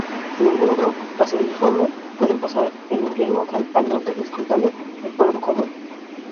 Ningún otro paseriforme puede pasar el invierno tan al norte, descontando al cuervo común.